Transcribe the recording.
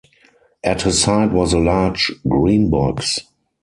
At his side was a large green box.